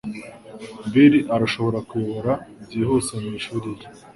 Bill arashobora kuyobora byihuse mwishuri rye.